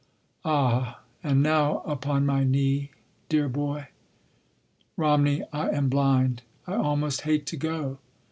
Ah, and now upon my knee ... dear boy ... Romney, I am blind. I almost hate to go.